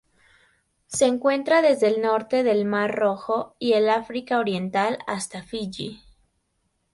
Se encuentra desde el norte del Mar Rojo y el África Oriental hasta Fiyi.